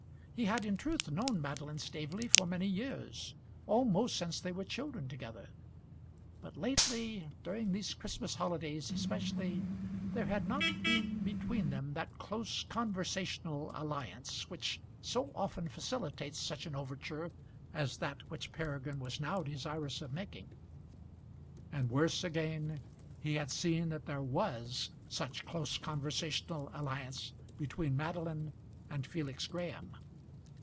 He had, in truth, known Madeline Staveley for many years, almost since they were children together; but lately, during these Christmas holidays especially, there had not been between them that close conversational alliance which so often facilitates such an overture as that which Peregrine was now desirous of making. And, worse again, he had seen that there was such close conversational alliance between Madeline and Felix Graham.